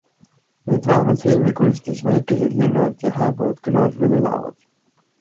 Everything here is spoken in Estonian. Nii et vähemalt filmikunstis väikesed linnad ja hääbuvad külad veel elavad.